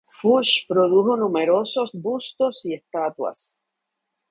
Fuchs produjo numerosos bustos y estatuas.